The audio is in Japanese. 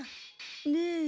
ねえ。